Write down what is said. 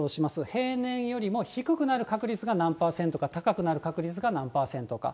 平年よりも低くなる確率が何％か、高くなる確率が何％か。